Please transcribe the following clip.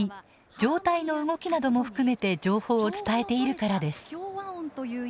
上体の動きなども含めて情報を伝えているからです。